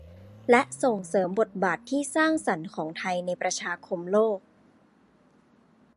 และส่งเสริมบทบาทที่สร้างสรรค์ของไทยในประชาคมโลก